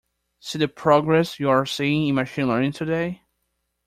See the progress we are seeing in machine learning today.